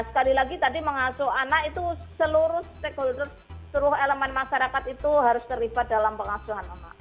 sekali lagi tadi mengasuh anak itu seluruh stakeholder seluruh elemen masyarakat itu harus terlibat dalam pengasuhan anak